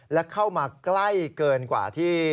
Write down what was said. และเข้ามาใกล้เกินกว่าที่